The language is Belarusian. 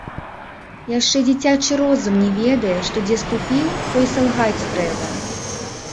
Яшчэ дзіцячы розум не ведае, што дзе ступіў, то і салгаць трэба.